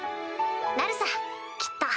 なるさきっと。